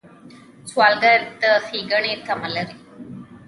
سوالګر د ښېګڼې تمه لري